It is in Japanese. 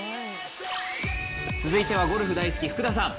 続いてはゴルフ大好き、福田さん。